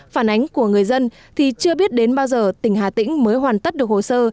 phản ánh của người dân thì chưa biết đến bao giờ tỉnh hà tĩnh mới hoàn tất được hồ sơ